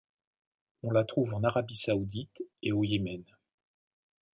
On la trouve en Arabie saoudite et au Yémen.